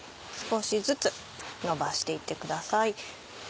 少しずつのばして行ってください。